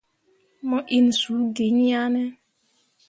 Mo inni suu gi iŋ yah ne.